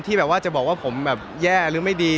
แบบว่าจะบอกว่าผมแบบแย่หรือไม่ดี